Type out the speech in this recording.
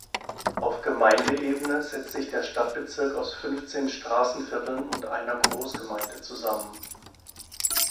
Auf Gemeindeebene setzt sich der Stadtbezirk aus fünfzehn Straßenvierteln und einer Großgemeinde zusammen.